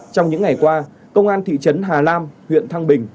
trong những ngày qua công an thị trấn hà lam huyện thăng bình